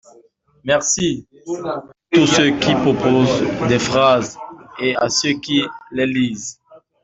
Merci à tous ceux qui proposent des phrases et à ceux qui les lisent!